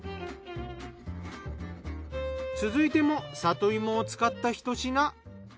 続いても里芋を使ったひと品。